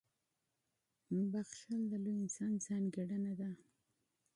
• بښل د لوی انسان ځانګړنه ده.